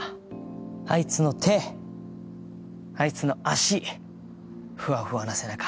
あいつの手あいつの足ふわふわな背中